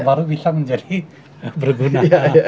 baru bisa menjadi berguna